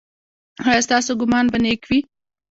ایا ستاسو ګمان به نیک وي؟